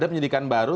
ada penyidikan baru